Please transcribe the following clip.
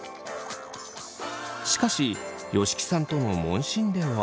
しかし吉木さんとの問診では。